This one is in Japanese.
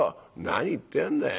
「何言ってやんだい。